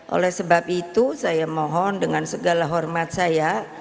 oleh sebab itu saya mohon dengan segala hormat saya